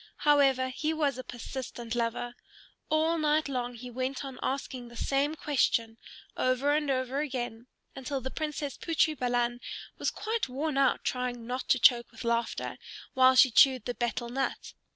However, he was a persistent lover. All night long he went on asking the same question, over and over again, until the Princess Putri Balan was quite worn out trying not to choke with laughter while she chewed the betel nut.